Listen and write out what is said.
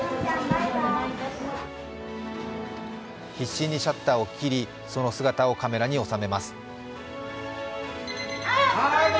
必死にシャッターを切り、その姿をカメラにおさめます。